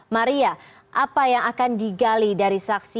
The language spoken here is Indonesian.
maria apa yang akan digali dari saksi